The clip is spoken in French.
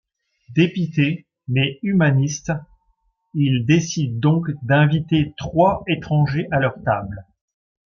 Dépités mais humanistes, ils décident donc d'inviter trois étrangers à leur table.